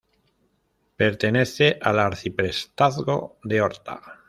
Pertenece al arciprestazgo de Horta.